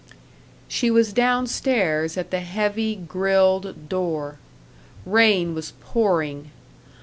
She was down stairs at the heavy, grilled door. Rain was pouring.